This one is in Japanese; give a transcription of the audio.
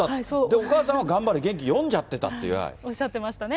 お母さんは、がんばれ元気、読んおっしゃってましたね。